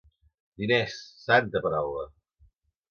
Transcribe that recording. Diners, santa paraula!